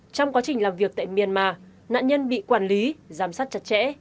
trong quá trình làm việc tại myanmar nạn nhân bị quản lý giám sát chặt chẽ